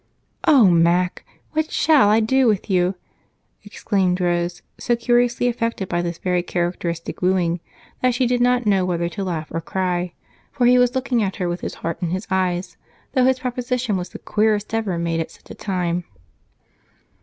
"Oh, Mac! What shall I do with you?" exclaimed Rose, so curiously affected by this very characteristic wooing that she did not know whether to laugh or cry, for he was looking at her with his heart in his eyes, though his proposition was the queerest ever made at such a time.